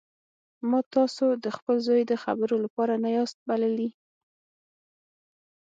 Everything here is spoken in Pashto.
ما تاسو د خپل زوی د خبرو لپاره نه یاست بللي